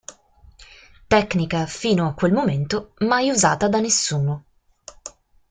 Tecnica fino a quel momento mai usata da nessuno.